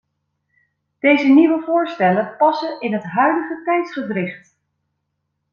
Deze nieuwe voorstellen passen in het huidige tijdsgewricht.